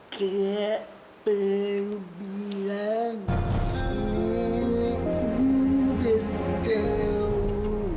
kak baru bilang nenek gue tau